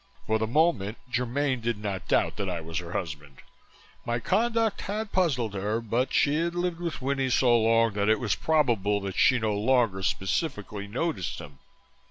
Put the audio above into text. For the moment, Germaine did not doubt that I was her husband: my conduct had puzzled her but she had lived with Winnie so long that it was probable that she no longer specifically noticed him.